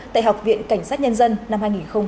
tại học viện cảnh sát nhân dân năm hai nghìn hai mươi một